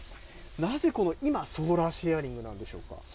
なぜ、この今、ソーラーシェアリングなんでしょうか。